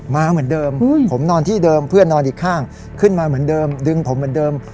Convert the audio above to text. มาเหมือนเดิมผมนอนที่เดิมเพื่อนนอนอีกข้างขึ้นมาเหมือนเดิมดึงผมเหมือนเดิม